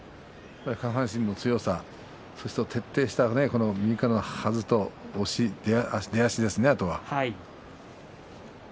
下半身の強さ徹底した右からのはずと押し出足ですね、あとは。